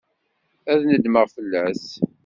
Ad nedmeɣ fell-as.